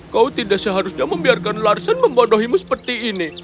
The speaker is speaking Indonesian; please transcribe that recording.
kau tidak seharusnya membiarkan larsen membodohimu seperti ini